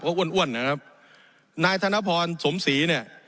ก็อ้วนอ้วนนะครับนายธนพรสมศรีเนี่ย